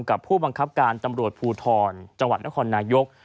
กับผู้บังคับการตำรวจผูทรจนนายก